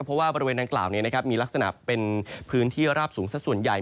เพราะว่าบริเวณดังกล่าวมีลักษณะเป็นพื้นที่ราบสูงสักส่วนใหญ่